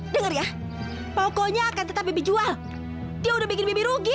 dengar ya pokoknya akan tetap bibi jual dia udah bikin bibi rugi